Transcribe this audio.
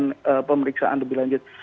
dan pemeriksaan lebih lanjut